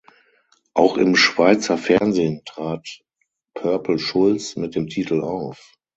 Auch im Schweizer Fernsehen trat Purple Schulz mit dem Titel auf.